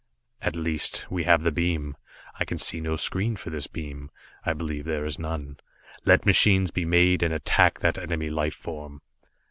"At least, we have the beam. I can see no screen for this beam. I believe there is none. Let machines be made and attack that enemy life form."